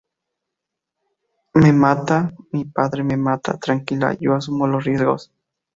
me mata, mi padre me mata. tranquila, yo asumo los riesgos.